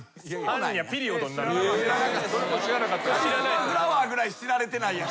カリスマフラワーぐらい知られてないやん。